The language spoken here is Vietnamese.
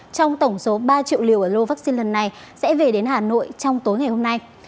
trong tổng số ba triệu liều ở lô vaccine lần này sẽ về đến hà nội trong tối ngày hôm nay